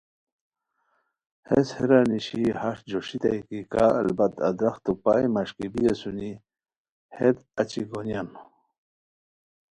ہیس ہیرا نیشی ہݰ جوݰیتائے کی کا البت ادراختو پائے مݰکی بی اسونی، ہتیت اچی گونیان